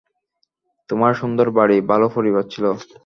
তোমার সুন্দর বাড়ি, ভালো পরিবার ছিল।